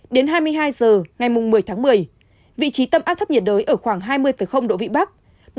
đến hai mươi hai h ngày một mươi tháng một mươi vị trí tâm áp thấp nhiệt đới ở khoảng hai mươi độ vĩ bắc